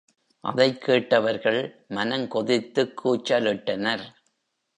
அதைக் கேட்டவர்கள் மனம் கொதித்துக் கூச்சலிட்டனர்!